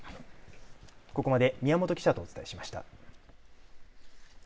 ここまで宮本記者とお伝えしました。